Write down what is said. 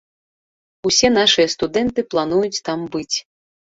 Усе нашыя студэнты плануюць там быць.